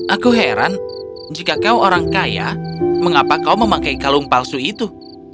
aku heran jika kau orang kaya mengapa kau memakai kalung palsu itu